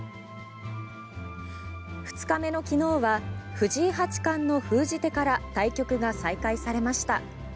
２日目の昨日は藤井八冠の封じ手から対局が再開されました。